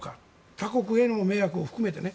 他国への迷惑を含めてね。